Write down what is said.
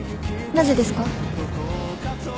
なぜですか？